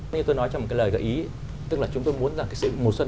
như tôi nói trong một cái lời gợi ý tức là chúng tôi muốn rằng cái sự mùa xuân